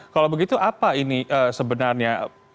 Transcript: kalau begitu apa ini sebenarnya